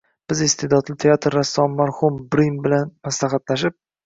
Biz iste’dodli teatr rassomi marhum Brim bilan maslahatlashib